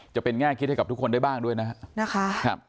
จะเป็นง่ายคิดให้กับทุกคนได้บ้างด้วยนะฮะนะคะครับ